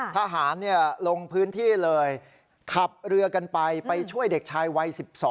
ทหารลงพื้นที่เลยขับเรือกันไปไปช่วยเด็กชายวัย๑๒